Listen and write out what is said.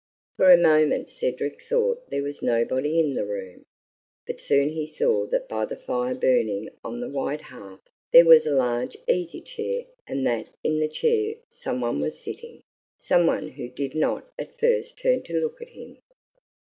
For a moment Cedric thought there was nobody in the room, but soon he saw that by the fire burning on the wide hearth there was a large easy chair and that in that chair some one was sitting some one who did not at first turn to look at him.